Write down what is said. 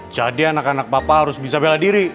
anak anak papa harus bisa bela diri